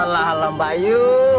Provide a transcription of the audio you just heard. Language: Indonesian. alah alah mbak yu